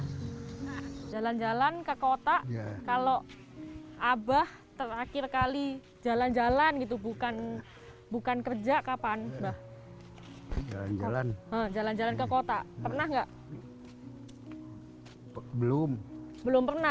hari ini saya mengajak mereka guna acara bangsa tumut untuk keluar dari akuasaku works fund